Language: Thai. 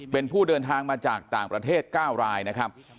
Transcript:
เป็นผู้เดินทางมาจากต่างประเทศ๙รายนะครับ